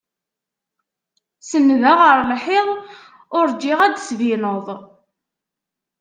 Senndeɣ ar lḥiḍ, urǧiɣ ad d-tbineḍ.